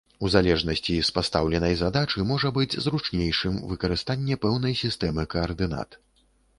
У залежнасці з пастаўленай задачы, можа быць зручнейшым выкарыстанне пэўнай сістэмы каардынат.